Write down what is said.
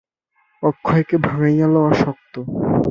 অক্ষয়কে ভাঙাইয়া লওয়া শক্ত।